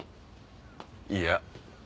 いや。